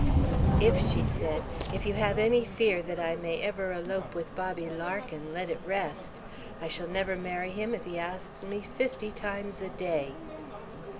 "If," she said, "if you have any fear that I may ever elope with Bobby Larkin, let it rest. I shall never marry him if he asks me fifty times a day."